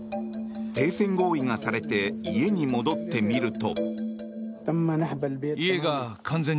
停戦合意がされて家に戻ってみると。